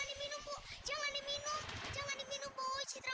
nanti baik kamu main di luar sana